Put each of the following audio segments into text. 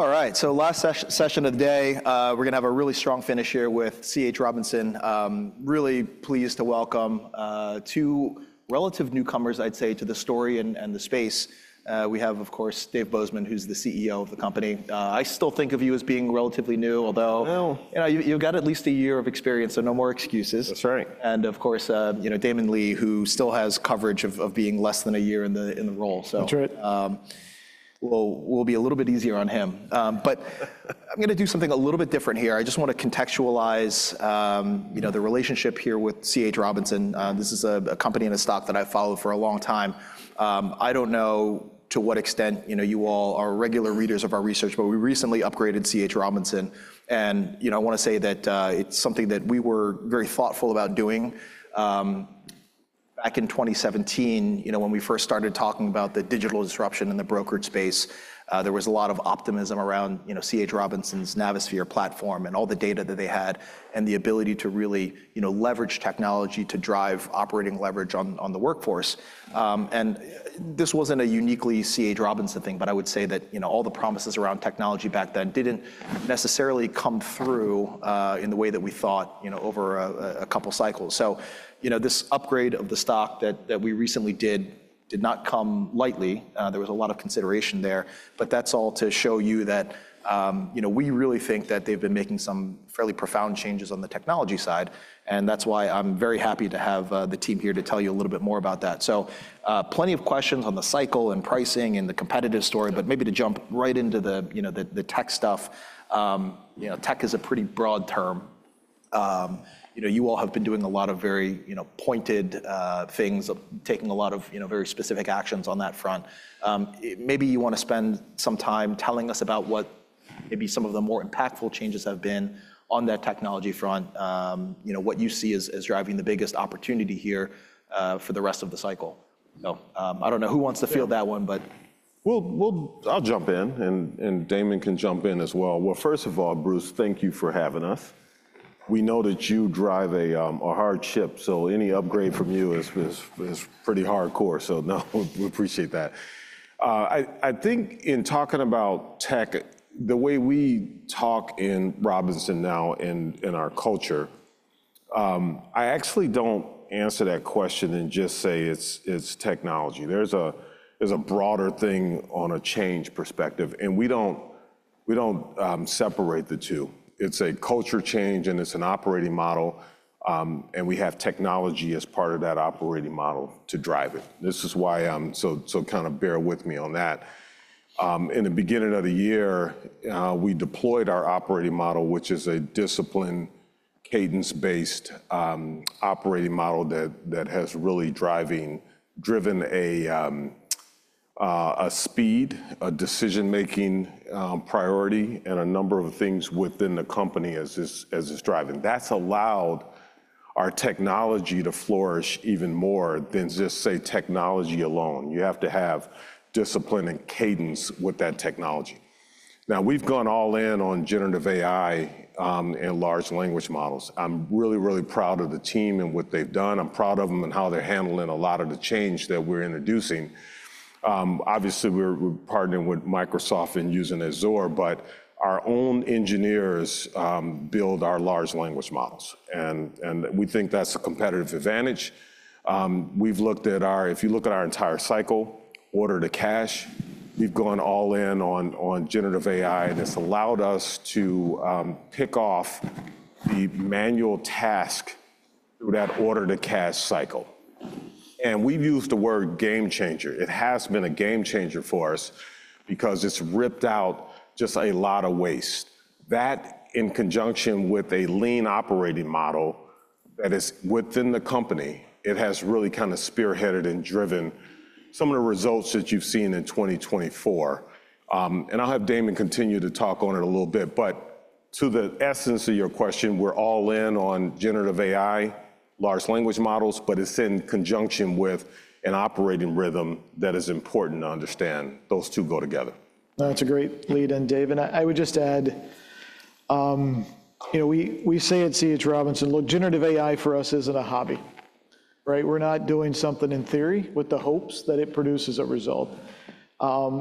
All right, so last session of the day, we're going to have a really strong finish here with C.H. Robinson. Really pleased to welcome two relative newcomers, I'd say, to the story and the space. We have, of course, Dave Bozeman, who's the CEO of the company. I still think of you as being relatively new, although you've got at least a year of experience, so no more excuses. That's right. Of course, Damon Lee, who still has coverage of being less than a year in the role. That's right. We'll be a little bit easier on him, but I'm going to do something a little bit different here. I just want to contextualize the relationship here with C.H. Robinson. This is a company and a stock that I've followed for a long time. I don't know to what extent you all are regular readers of our research, but we recently upgraded C.H. Robinson. I want to say that it's something that we were very thoughtful about doing. Back in 2017, when we first started talking about the digital disruption in the brokerage space, there was a lot of optimism around C.H. Robinson's Navisphere platform and all the data that they had and the ability to really leverage technology to drive operating leverage on the workforce. This wasn't a uniquely C.H. Robinson thing, but I would say that all the promises around technology back then didn't necessarily come through in the way that we thought over a couple of cycles. So this upgrade of the stock that we recently did not come lightly. There was a lot of consideration there. But that's all to show you that we really think that they've been making some fairly profound changes on the technology side. And that's why I'm very happy to have the team here to tell you a little bit more about that. So plenty of questions on the cycle and pricing and the competitive story. But maybe to jump right into the tech stuff. Tech is a pretty broad term. You all have been doing a lot of very pointed things, taking a lot of very specific actions on that front. Maybe you want to spend some time telling us about what maybe some of the more impactful changes have been on that technology front, what you see as driving the biggest opportunity here for the rest of the cycle. So I don't know who wants to field that one, but. I'll jump in, and Damon can jump in as well. Well, first of all, Bruce, thank you for having us. We know that you drive a hard ship, so any upgrade from you is pretty hardcore. So no, we appreciate that. I think in talking about tech, the way we talk in Robinson now in our culture, I actually don't answer that question and just say it's technology. There's a broader thing on a change perspective, and we don't separate the two. It's a culture change, and it's an operating model. And we have technology as part of that operating model to drive it. This is why I'm so kind of bear with me on that. In the beginning of the year, we deployed our operating model, which is a disciplined cadence-based operating model that has really driven a speed, a decision-making priority, and a number of things within the company as it's driving. That's allowed our technology to flourish even more than just, say, technology alone. You have to have discipline and cadence with that technology. Now, we've gone all in on generative AI and large language models. I'm really, really proud of the team and what they've done. I'm proud of them and how they're handling a lot of the change that we're introducing. Obviously, we're partnering with Microsoft and using Azure, but our own engineers build our large language models, and we think that's a competitive advantage. If you look at our entire cycle, order to cash, we've gone all in on Generative AI, and it's allowed us to pick off the manual task through that order to cash cycle. And we've used the word game changer. It has been a game changer for us because it's ripped out just a lot of waste. That, in conjunction with a lean operating model that is within the company, has really kind of spearheaded and driven some of the results that you've seen in 2024. And I'll have Damon continue to talk on it a little bit. But to the essence of your question, we're all in on Generative AI, large language models, but it's in conjunction with an operating rhythm that is important to understand. Those two go together. That's a great lead-in, David. I would just add, we say at C.H. Robinson, look, Generative AI for us isn't a hobby. We're not doing something in theory with the hopes that it produces a result.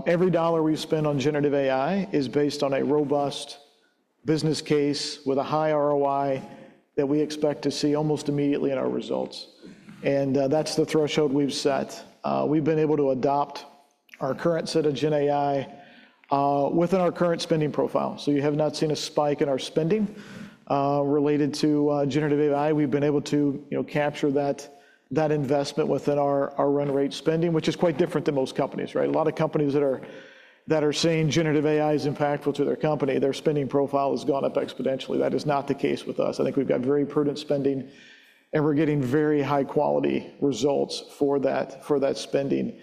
Every dollar we spend on Generative AI is based on a robust business case with a high ROI that we expect to see almost immediately in our results. And that's the threshold we've set. We've been able to adopt our current set of Gen AI within our current spending profile. So you have not seen a spike in our spending related to Generative AI. We've been able to capture that investment within our run rate spending, which is quite different than most companies. A lot of companies that are saying Generative AI is impactful to their company, their spending profile has gone up exponentially. That is not the case with us. I think we've got very prudent spending, and we're getting very high-quality results for that spending.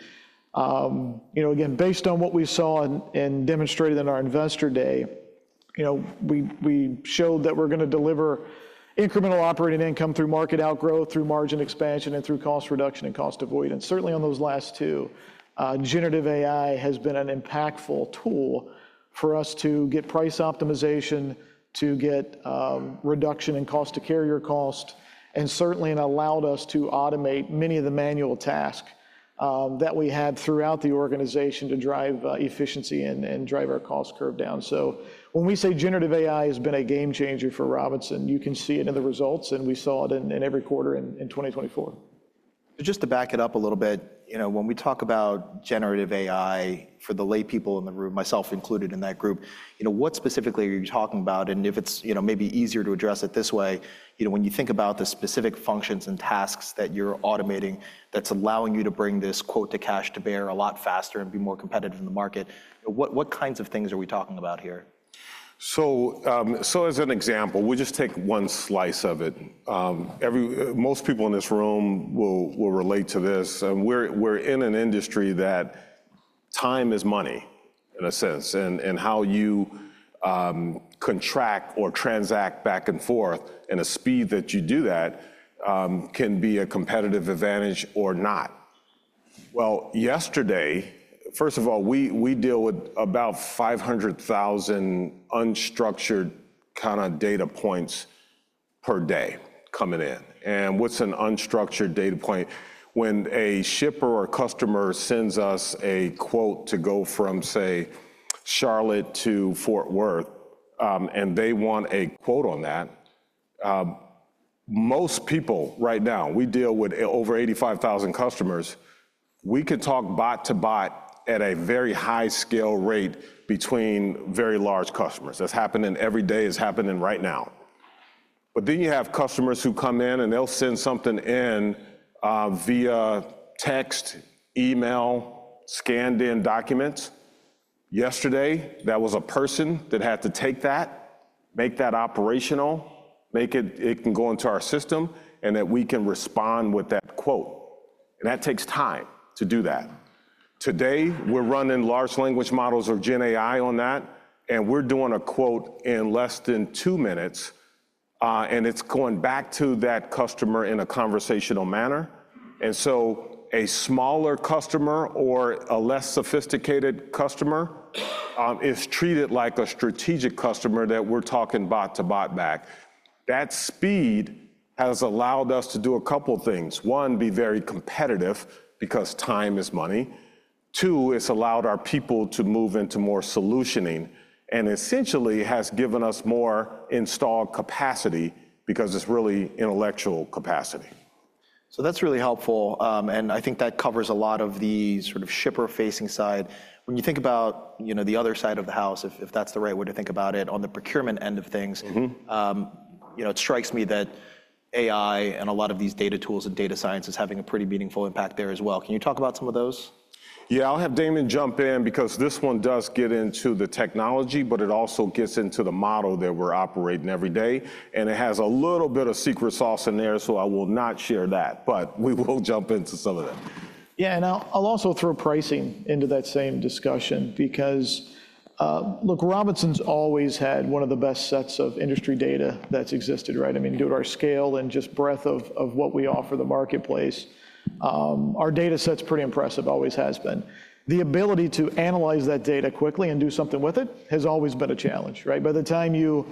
Again, based on what we saw and demonstrated in our Investor Day, we showed that we're going to deliver incremental operating income through market outgrowth, through margin expansion, and through cost reduction and cost avoidance. Certainly, on those last two, Generative AI has been an impactful tool for us to get price optimization, to get reduction in cost to carrier cost, and certainly allowed us to automate many of the manual tasks that we had throughout the organization to drive efficiency and drive our cost curve down. So when we say Generative AI has been a game changer for Robinson, you can see it in the results, and we saw it in every quarter in 2024. Just to back it up a little bit, when we talk about Generative AI for the laypeople in the room, myself included in that group, what specifically are you talking about? And if it's maybe easier to address it this way, when you think about the specific functions and tasks that you're automating that's allowing you to bring this quote to cash to bear a lot faster and be more competitive in the market, what kinds of things are we talking about here? So as an example, we'll just take one slice of it. Most people in this room will relate to this. We're in an industry that time is money, in a sense, and how you contract or transact back and forth and the speed that you do that can be a competitive advantage or not. Well, yesterday, first of all, we deal with about 500,000 unstructured kind of data points per day coming in. And what's an unstructured data point? When a shipper or customer sends us a quote to go from, say, Charlotte to Fort Worth, and they want a quote on that, most people right now, we deal with over 85,000 customers. We could talk bot to bot at a very high scale rate between very large customers. That's happening every day, is happening right now. But then you have customers who come in, and they'll send something in via text, email, scanned-in documents. Yesterday, that was a person that had to take that, make that operational, make it can go into our system, and that we can respond with that quote. And that takes time to do that. Today, we're running large language models or Gen AI on that, and we're doing a quote in less than two minutes, and it's going back to that customer in a conversational manner. And so a smaller customer or a less sophisticated customer is treated like a strategic customer that we're talking bot to bot back. That speed has allowed us to do a couple of things. One, be very competitive because time is money. Two, it's allowed our people to move into more solutioning and essentially has given us more installed capacity because it's really intellectual capacity. So that's really helpful. And I think that covers a lot of the shipper-facing side. When you think about the other side of the house, if that's the right way to think about it, on the procurement end of things, it strikes me that AI and a lot of these data tools and data science is having a pretty meaningful impact there as well. Can you talk about some of those? Yeah, I'll have Damon jump in because this one does get into the technology, but it also gets into the model that we're operating every day, and it has a little bit of secret sauce in there, so I will not share that, but we will jump into some of that. Yeah, and I'll also throw pricing into that same discussion because, look, Robinson's always had one of the best sets of industry data that's existed, right? I mean, due to our scale and just breadth of what we offer the marketplace, our data set's pretty impressive, always has been. The ability to analyze that data quickly and do something with it has always been a challenge. By the time you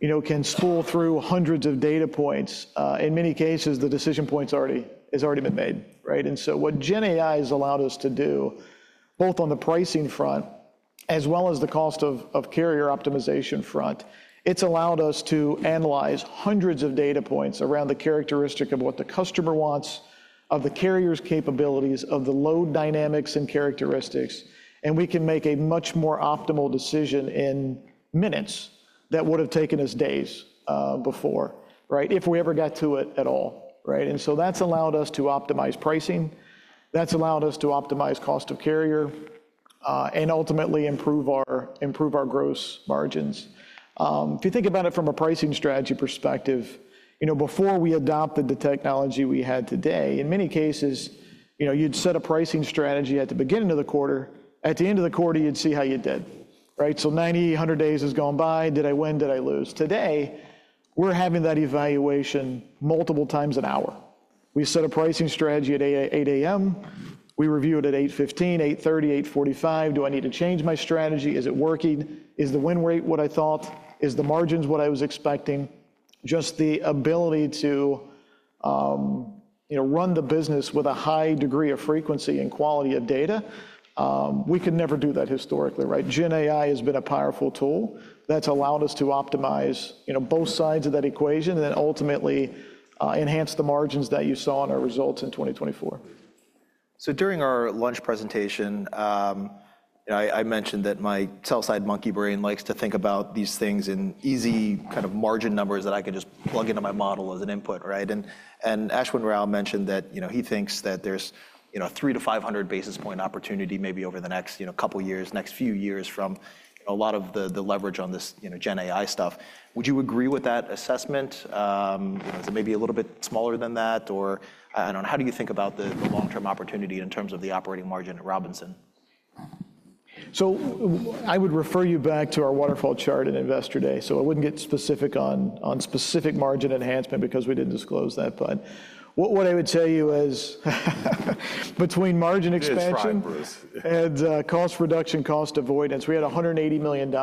can spool through hundreds of data points, in many cases, the decision point has already been made. And so what Gen AI has allowed us to do, both on the pricing front as well as the cost of carrier optimization front, it's allowed us to analyze hundreds of data points around the characteristic of what the customer wants, of the carrier's capabilities, of the load dynamics and characteristics. We can make a much more optimal decision in minutes that would have taken us days before if we ever got to it at all. That's allowed us to optimize pricing. That's allowed us to optimize cost of carrier and ultimately improve our gross margins. If you think about it from a pricing strategy perspective, before we adopted the technology we had today, in many cases, you'd set a pricing strategy at the beginning of the quarter. At the end of the quarter, you'd see how you did. 90-100 days has gone by. Did I win? Did I lose? Today, we're having that evaluation multiple times an hour. We set a pricing strategy at 8:00 A.M. We review it at 8:15 A.M., 8:30 A.M., 8:45 A.M. Do I need to change my strategy? Is it working? Is the win rate what I thought? Is the margins what I was expecting? Just the ability to run the business with a high degree of frequency and quality of data, we could never do that historically. Gen AI has been a powerful tool that's allowed us to optimize both sides of that equation and then ultimately enhance the margins that you saw in our results in 2024. So during our lunch presentation, I mentioned that my sell-side monkey brain likes to think about these things in easy kind of margin numbers that I can just plug into my model as an input. And Ashwin Rao mentioned that he thinks that there's 300-500 basis point opportunity maybe over the next couple of years, next few years from a lot of the leverage on this Gen AI stuff. Would you agree with that assessment? Is it maybe a little bit smaller than that? Or how do you think about the long-term opportunity in terms of the operating margin at Robinson? So I would refer you back to our waterfall chart in Investor Day. So I wouldn't get specific on specific margin enhancement because we didn't disclose that. But what I would tell you is between margin expansion and cost reduction, cost avoidance, we had $180 million of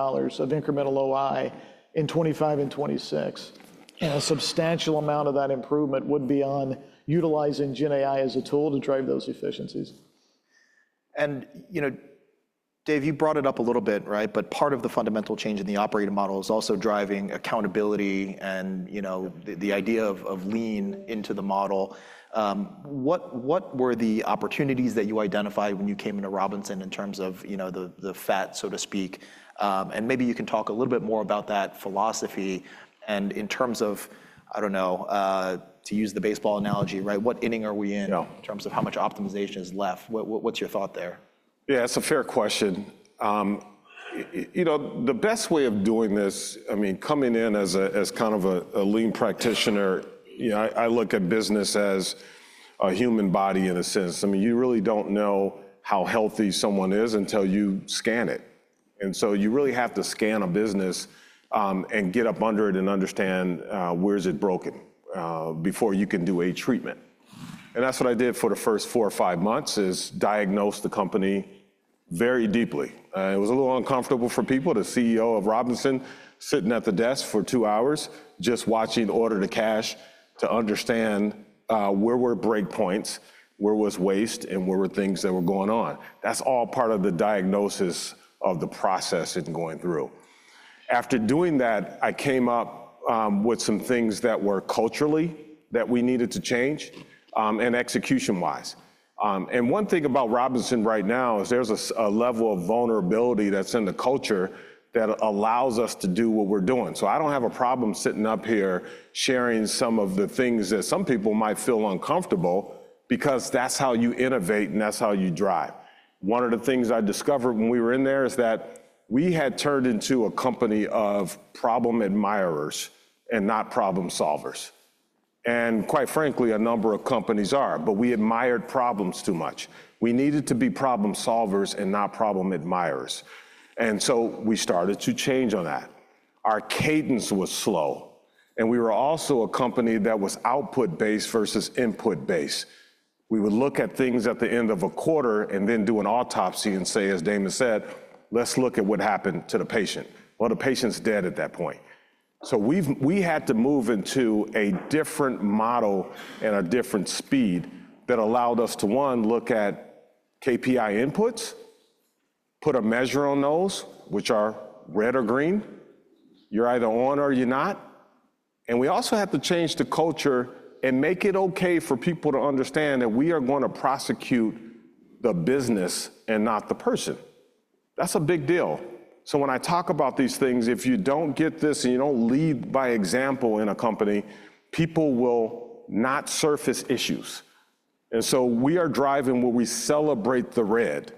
incremental OI in 2025 and 2026. And a substantial amount of that improvement would be on utilizing Gen AI as a tool to drive those efficiencies. Dave, you brought it up a little bit, but part of the fundamental change in the operating model is also driving accountability and the idea of lean into the model. What were the opportunities that you identified when you came into C.H. Robinson in terms of the fat, so to speak? And maybe you can talk a little bit more about that philosophy. And in terms of, I don't know, to use the baseball analogy, what inning are we in in terms of how much optimization is left? What's your thought there? Yeah, that's a fair question. The best way of doing this, I mean, coming in as kind of a Lean practitioner, I look at business as a human body in a sense. I mean, you really don't know how how healthy someone is until you scan it. And so you really have to scan a business and get up under it and understand where is it broken before you can do a treatment. And that's what I did for the first four or five months is diagnose the company very deeply. It was a little uncomfortable for people, the CEO of C.H. Robinson, sitting at the desk for two hours just watching order to cash to understand where were breakpoints, where was waste, and where were things that were going on. That's all part of the diagnosis of the process and going through. After doing that, I came up with some things that were culturally that we needed to change and execution-wise. One thing about Robinson right now is there's a level of vulnerability that's in the culture that allows us to do what we're doing. I don't have a problem sitting up here sharing some of the things that some people might feel uncomfortable because that's how you innovate and that's how you drive. One of the things I discovered when we were in there is that we had turned into a company of problem admirers and not problem solvers. Quite frankly, a number of companies are, but we admired problems too much. We needed to be problem solvers and not problem admirers. We started to change on that. Our cadence was slow. We were also a company that was output-based versus input-based. We would look at things at the end of a quarter and then do an autopsy and say, as Damon said, "Let's look at what happened to the patient." Well, the patient's dead at that point. So we had to move into a different model and a different speed that allowed us to, one, look at KPI inputs, put a measure on those, which are red or green. You're either on or you're not. And we also had to change the culture and make it okay for people to understand that we are going to prosecute the business and not the person. That's a big deal. So when I talk about these things, if you don't get this and you don't lead by example in a company, people will not surface issues. And so we are driving where we celebrate the red.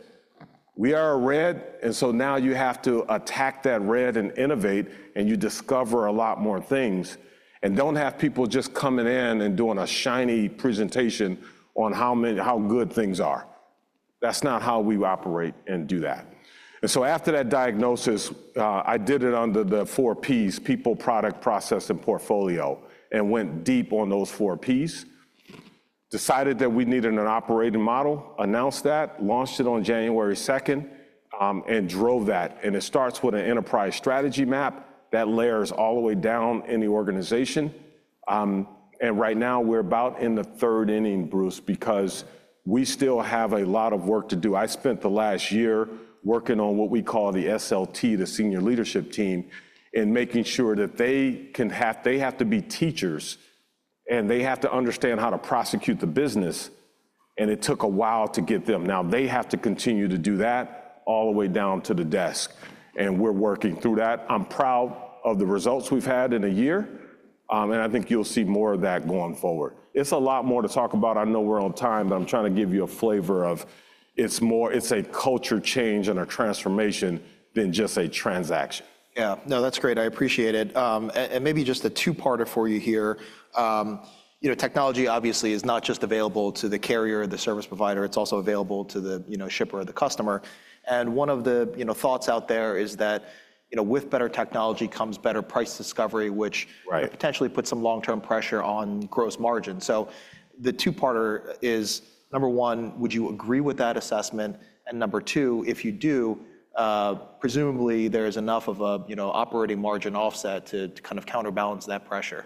We are red, and so now you have to attack that red and innovate, and you discover a lot more things and don't have people just coming in and doing a shiny presentation on how good things are. That's not how we operate and do that. And so after that diagnosis, I did it under the Four Ps, people, product, process, and portfolio, and went deep on those Four Ps, decided that we needed an operating model, announced that, launched it on January 2nd, and drove that. And it starts with an enterprise strategy map that layers all the way down in the organization. And right now, we're about in the third inning, Bruce, because we still have a lot of work to do. I spent the last year working on what we call the SLT, the Senior Leadership Team, and making sure that they have to be teachers and they have to understand how to prosecute the business, and it took a while to get them. Now they have to continue to do that all the way down to the desk, and we're working through that. I'm proud of the results we've had in a year, and I think you'll see more of that going forward. It's a lot more to talk about. I know we're on time, but I'm trying to give you a flavor of it's a culture change and a transformation than just a transaction. Yeah, no, that's great. I appreciate it. And maybe just a two-parter for you here. Technology, obviously, is not just available to the carrier, the service provider. It's also available to the shipper or the customer. And one of the thoughts out there is that with better technology comes better price discovery, which potentially puts some long-term pressure on gross margin. So the two-parter is, number one, would you agree with that assessment? And number two, if you do, presumably there is enough of an operating margin offset to kind of counterbalance that pressure.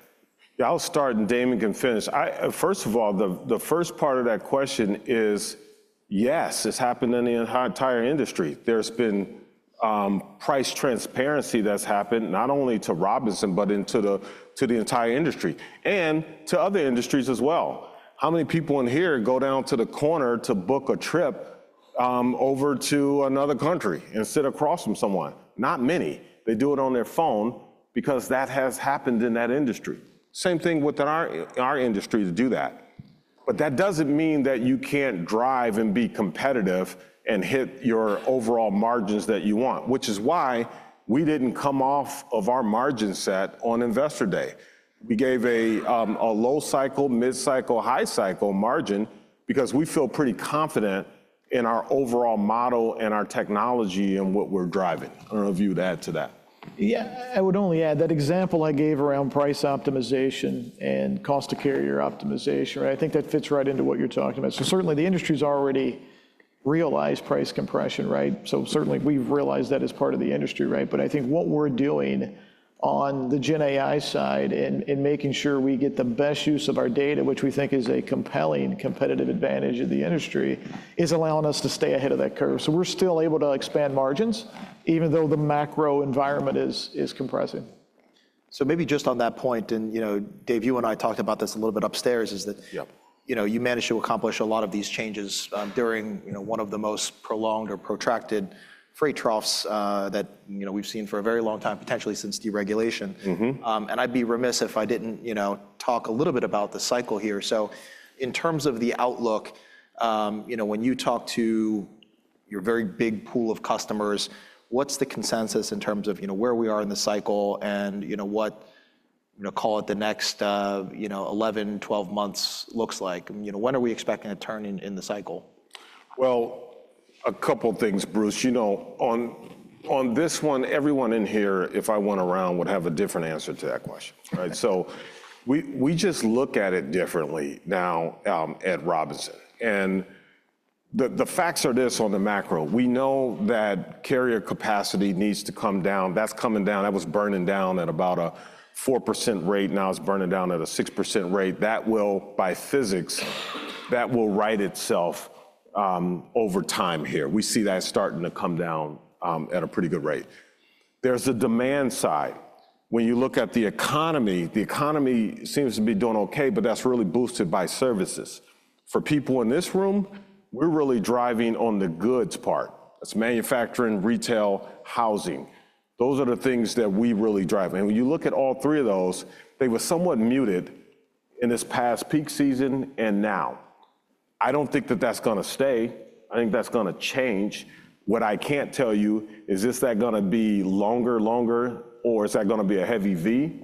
Yeah, I'll start and Damon can finish. First of all, the first part of that question is, yes, it's happened in the entire industry. There's been price transparency that's happened not only to Robinson, but into the entire industry and to other industries as well. How many people in here go down to the corner to book a trip over to another country and sit across from someone? Not many. They do it on their phone because that has happened in that industry. Same thing with our industry to do that. But that doesn't mean that you can't drive and be competitive and hit your overall margins that you want, which is why we didn't come off of our margin set on Investor Day. We gave a low cycle, mid-cycle, high cycle margin because we feel pretty confident in our overall model and our technology and what we're driving. I don't know if you would add to that. Yeah, I would only add that example I gave around price optimization and cost of carrier optimization. I think that fits right into what you're talking about. So certainly, the industry's already realized price compression. So certainly, we've realized that as part of the industry. But I think what we're doing on the Gen AI side and making sure we get the best use of our data, which we think is a compelling competitive advantage of the industry, is allowing us to stay ahead of that curve. So we're still able to expand margins even though the macro environment is compressing. So maybe just on that point, and Dave, you and I talked about this a little bit upstairs, is that you managed to accomplish a lot of these changes during one of the most prolonged or protracted freight troughs that we've seen for a very long time, potentially since deregulation. And I'd be remiss if I didn't talk a little bit about the cycle here. So in terms of the outlook, when you talk to your very big pool of customers, what's the consensus in terms of where we are in the cycle and what, call it the next 11, 12 months looks like? When are we expecting a turn in the cycle? A couple of things, Bruce. On this one, everyone in here, if I went around, would have a different answer to that question, so we just look at it differently now at Robinson, and the facts are this on the macro. We know that carrier capacity needs to come down. That's coming down. That was burning down at about a 4% rate. Now it's burning down at a 6% rate. By physics, that will right itself over time here. We see that starting to come down at a pretty good rate. There's a demand side. When you look at the economy, the economy seems to be doing okay, but that's really boosted by services. For people in this room, we're really driving on the goods part. That's manufacturing, retail, housing. Those are the things that we really drive. And when you look at all three of those, they were somewhat muted in this past peak season and now. I don't think that that's going to stay. I think that's going to change. What I can't tell you is, is that going to be longer, or is that going to be a heavy V?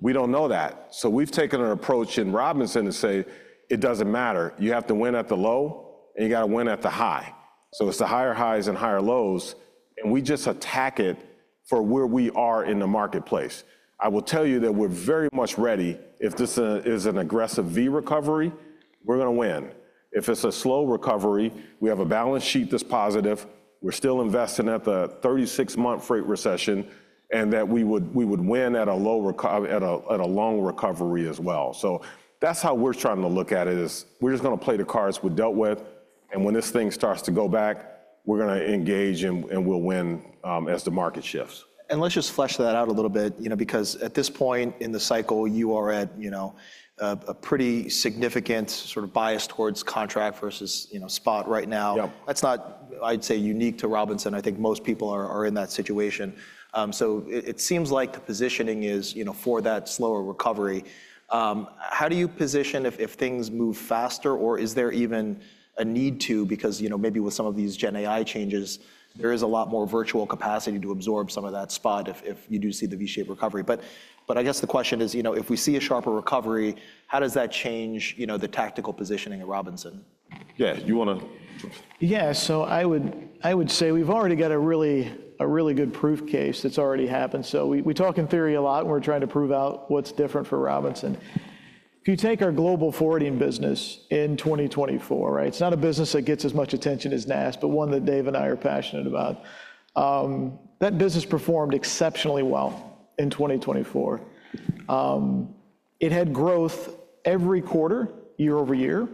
We don't know that. So we've taken an approach in C.H. Robinson to say, it doesn't matter. You have to win at the low, and you got to win at the high. So it's the higher highs and higher lows, and we just attack it for where we are in the marketplace. I will tell you that we're very much ready. If this is an aggressive V recovery, we're going to win. If it's a slow recovery, we have a balance sheet that's positive. We're still investing through the 36-month freight recession and that we would win in a long recovery as well. So that's how we're trying to look at it. We're just going to play the cards we've dealt with, and when this thing starts to go back, we're going to engage and we'll win as the market shifts. And let's just flesh that out a little bit because at this point in the cycle, you are at a pretty significant sort of bias towards contract versus spot right now. That's not, I'd say, unique to Robinson. I think most people are in that situation. So it seems like the positioning is for that slower recovery. How do you position if things move faster, or is there even a need to? Because maybe with some of these Gen AI changes, there is a lot more virtual capacity to absorb some of that spot if you do see the V-shaped recovery. But I guess the question is, if we see a sharper recovery, how does that change the tactical positioning at Robinson? Yeah, you want to? Yeah, so I would say we've already got a really good proof case that's already happened. So we talk in theory a lot, and we're trying to prove out what's different for Robinson. If you take our Global Forwarding business in 2024, it's not a business that gets as much attention as NAST, but one that Dave and I are passionate about. That business performed exceptionally well in 2024. It had growth every quarter, year over year,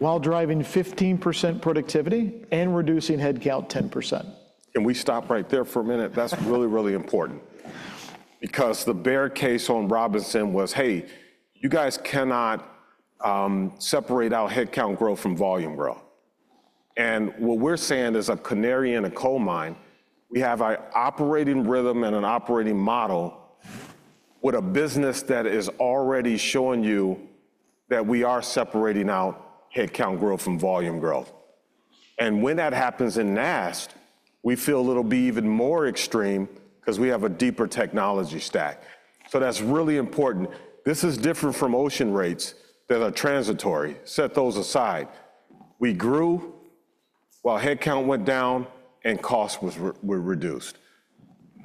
while driving 15% productivity and reducing headcount 10%. Can we stop right there for a minute? That's really, really important because the bear case on Robinson was, hey, you guys cannot separate out headcount growth from volume growth. And what we're saying as a canary in a coal mine, we have an operating rhythm and an operating model with a business that is already showing you that we are separating out headcount growth from volume growth. And when that happens in NAST, we feel it'll be even more extreme because we have a deeper technology stack. So that's really important. This is different from ocean rates that are transitory. Set those aside. We grew while headcount went down and costs were reduced.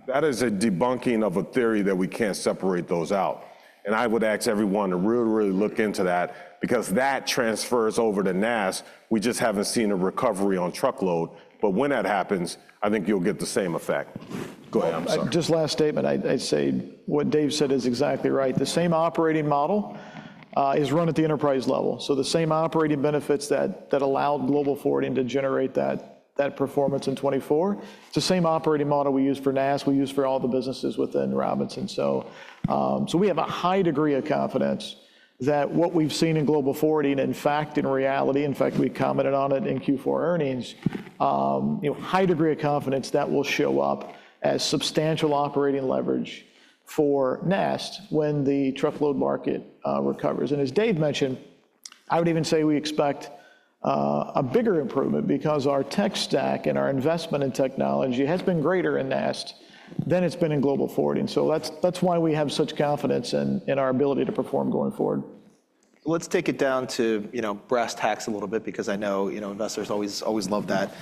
That is a debunking of a theory that we can't separate those out. And I would ask everyone to really, really look into that because that transfers over to NAST. We just haven't seen a recovery on truckload. But when that happens, I think you'll get the same effect. Go ahead. Just last statement, I'd say what Dave said is exactly right. The same operating model is run at the enterprise level. So the same operating benefits that allowed Global Forwarding to generate that performance in 2024, it's the same operating model we use for NAST. We use for all the businesses within Robinson. So we have a high degree of confidence that what we've seen in Global Forwarding, in fact, in reality, in fact, we commented on it in Q4 earnings, high degree of confidence that will show up as substantial operating leverage for NAST when the truckload market recovers. And as Dave mentioned, I would even say we expect a bigger improvement because our tech stack and our investment in technology has been greater in NAST than it's been in Global Forwarding. So that's why we have such confidence in our ability to perform going forward. Let's take it down to brass tacks a little bit because I know investors always love that.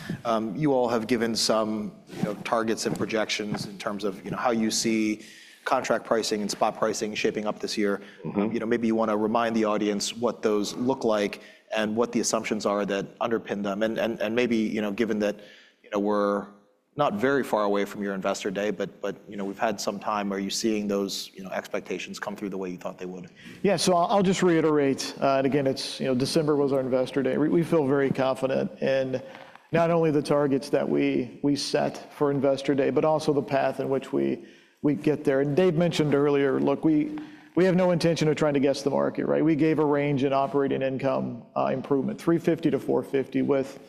You all have given some targets and projections in terms of how you see contract pricing and spot pricing shaping up this year. Maybe you want to remind the audience what those look like and what the assumptions are that underpin them, and maybe given that we're not very far away from your Investor Day, but we've had some time, are you seeing those expectations come through the way you thought they would? Yeah, so I'll just reiterate, and again, December was our Investor Day. We feel very confident in not only the targets that we set for Investor Day, but also the path in which we get there. And Dave mentioned earlier, look, we have no intention of trying to guess the market. We gave a range in operating income improvement, $350 million-$450 million, with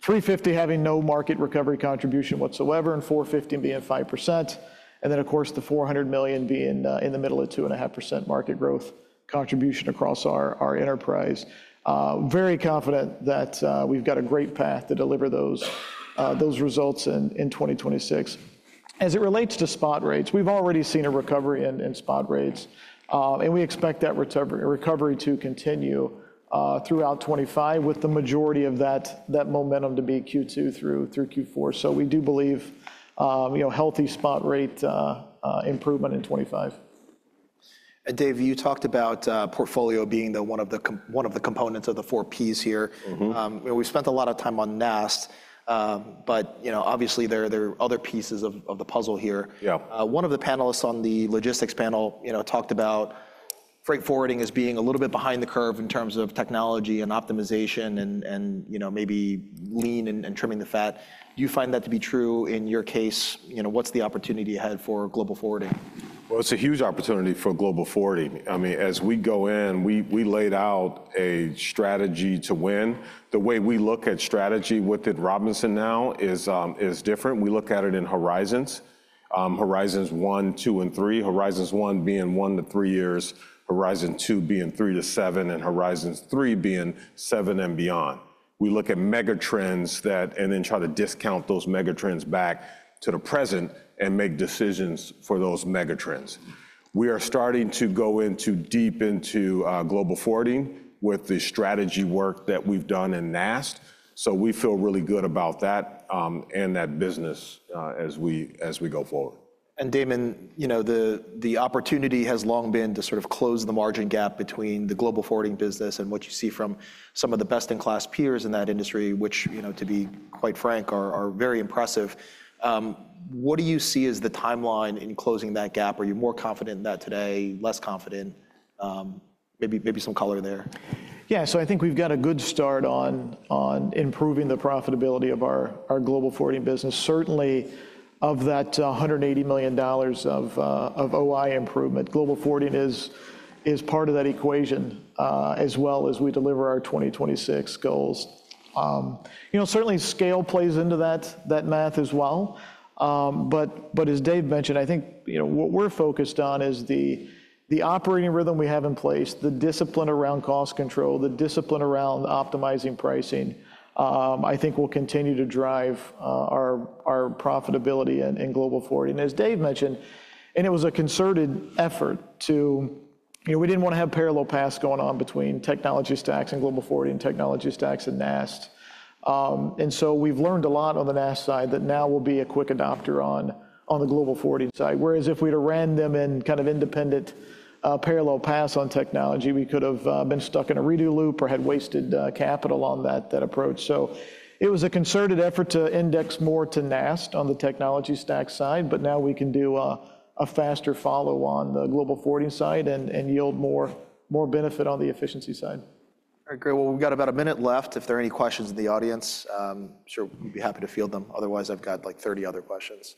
$350 million having no market recovery contribution whatsoever and $450 million being 5%. And then, of course, the $400 million being in the middle of 2.5% market growth contribution across our enterprise. Very confident that we've got a great path to deliver those results in 2026. As it relates to spot rates, we've already seen a recovery in spot rates. And we expect that recovery to continue throughout 2025 with the majority of that momentum to be Q2 through Q4. So we do believe healthy spot rate improvement in 2025. And Dave, you talked about portfolio being one of the components of the four P's here. We spent a lot of time on NAST, but obviously, there are other pieces of the puzzle here. One of the panelists on the logistics panel talked about freight forwarding as being a little bit behind the curve in terms of technology and optimization and maybe lean and trimming the fat. Do you find that to be true in your case? What's the opportunity ahead for Global Forwarding? It's a huge opportunity for Global Forwarding. I mean, as we go in, we laid out a strategy to win. The way we look at strategy within Robinson now is different. We look at it in horizons. Horizons one, two, and three, horizons one being one to three years, horizon two being three to seven, and horizons three being seven and beyond. We look at megatrends and then try to discount those megatrends back to the present and make decisions for those megatrends. We are starting to go deep into Global Forwarding with the strategy work that we've done in NAST. We feel really good about that and that business as we go forward. Damon, the opportunity has long been to sort of close the margin gap between the Global Forwarding business and what you see from some of the best-in-class peers in that industry, which, to be quite frank, are very impressive. What do you see as the timeline in closing that gap? Are you more confident in that today, less confident? Maybe some color there. Yeah, so I think we've got a good start on improving the profitability of our Global Forwarding business. Certainly, of that $180 million of OI improvement, Global Forwarding is part of that equation as well as we deliver our 2026 goals. Certainly, scale plays into that math as well, but as Dave mentioned, I think what we're focused on is the operating rhythm we have in place, the discipline around cost control, the discipline around optimizing pricing. I think that will continue to drive our profitability in Global Forwarding. And as Dave mentioned, it was a concerted effort that we didn't want to have parallel paths going on between technology stacks and Global Forwarding technology stacks and NAST. And so we've learned a lot on the NAST side that now will be a quick adopter on the Global Forwarding side. Whereas if we'd have ran them in kind of independent parallel paths on technology, we could have been stuck in a redo loop or had wasted capital on that approach. So it was a concerted effort to index more to NAST on the technology stack side, but now we can do a faster follow on the Global Forwarding side and yield more benefit on the efficiency side. All right, great. Well, we've got about a minute left. If there are any questions in the audience, I'm sure we'd be happy to field them. Otherwise, I've got like 30 other questions.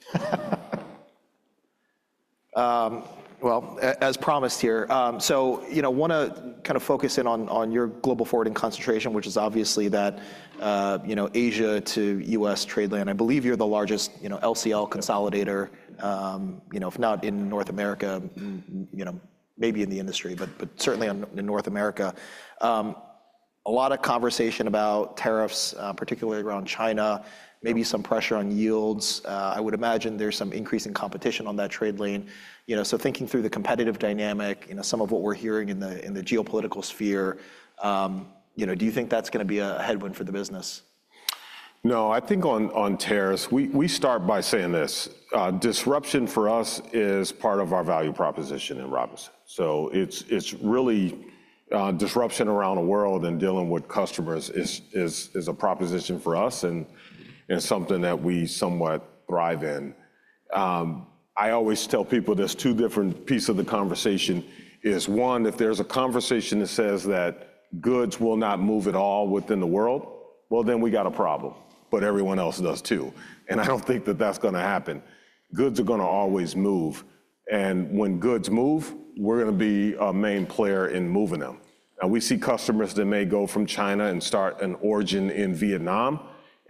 Well, as promised here. So I want to kind of focus in on your Global Forwarding concentration, which is obviously that Asia to US trade lane. I believe you're the largest LCL consolidator, if not in North America, maybe in the industry, but certainly in North America. A lot of conversation about tariffs, particularly around China, maybe some pressure on yields. I would imagine there's some increasing competition on that trade lane. So thinking through the competitive dynamic, some of what we're hearing in the geopolitical sphere, do you think that's going to be a headwind for the business? No, I think on tariffs, we start by saying this. Disruption for us is part of our value proposition in C.H. Robinson. So it's really disruption around the world and dealing with customers is a proposition for us and something that we somewhat thrive in. I always tell people there's two different pieces of the conversation. One, if there's a conversation that says that goods will not move at all within the world, well, then we got a problem. but everyone else does too. and I don't think that that's going to happen. Goods are going to always move. and when goods move, we're going to be a main player in moving them. Now, we see customers that may go from China and start an origin in Vietnam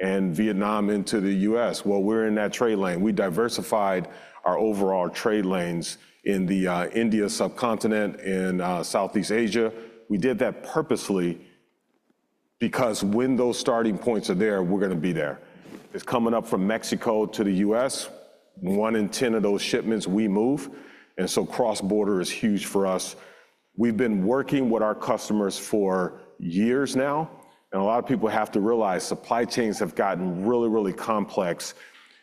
and Vietnam into the US. well, we're in that trade lane. We diversified our overall trade lanes in the Indian Subcontinent, in Southeast Asia. We did that purposely because when those starting points are there, we're going to be there. It's coming up from Mexico to the U.S. One in 10 of those shipments we move. And so cross-border is huge for us. We've been working with our customers for years now. And a lot of people have to realize supply chains have gotten really, really complex.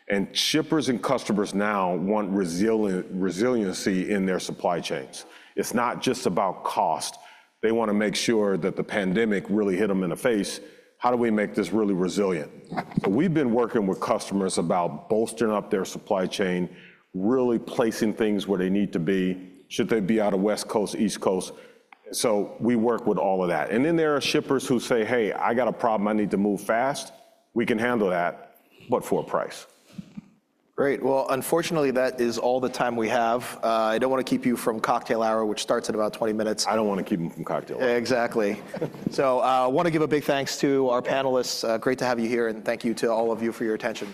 And shippers and customers now want resiliency in their supply chains. It's not just about cost. They want to make sure that the pandemic really hit them in the face. How do we make this really resilient? So we've been working with customers about bolstering up their supply chain, really placing things where they need to be. Should they be out of West Coast, East Coast? So we work with all of that. And then there are shippers who say, hey, I got a problem. I need to move fast. We can handle that, but for a price. Great. Well, unfortunately, that is all the time we have. I don't want to keep you from cocktail hour, which starts in about 20 minutes. I don't want to keep them from cocktail hour. Exactly. So I want to give a big thanks to our panelists. Great to have you here. And thank you to all of you for your attention.